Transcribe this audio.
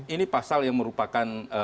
ini pasal yang merupakan